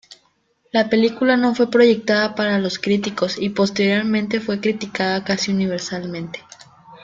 La película no fue proyectada para los críticos y posteriormente fue criticada casi universalmente.